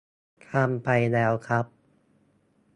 ทำไปแล้วครับ